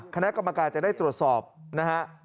คณะกรรมการจะได้ตรวจสอบนะฮะ